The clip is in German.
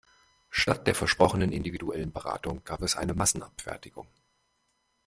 Statt der versprochenen individuellen Beratung gab es eine Massenabfertigung.